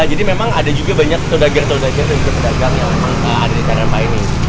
jadi memang ada juga banyak pedagang pedagang yang memang ada di tarempa ini